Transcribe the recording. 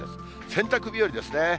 洗濯日和ですね。